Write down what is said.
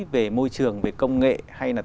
về môi trường về công nghệ hay là